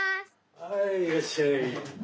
はいいらっしゃい。